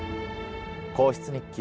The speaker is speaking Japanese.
『皇室日記』